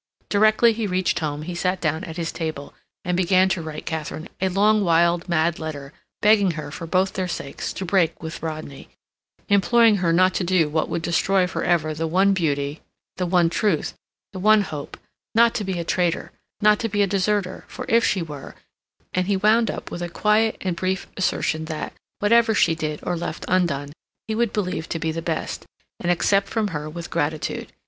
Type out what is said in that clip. Directly he reached home he sat down at his table, and began to write Katharine a long, wild, mad letter, begging her for both their sakes to break with Rodney, imploring her not to do what would destroy for ever the one beauty, the one truth, the one hope; not to be a traitor, not to be a deserter, for if she were—and he wound up with a quiet and brief assertion that, whatever she did or left undone, he would believe to be the best, and accept from her with gratitude.